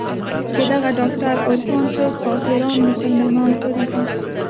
چې دغه ډاکتر عرفان څو کافران مسلمانان کړي دي.